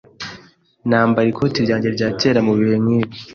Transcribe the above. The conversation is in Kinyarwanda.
Nambara ikote ryanjye rya kera mubihe nkibi.